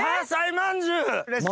まんじゅう。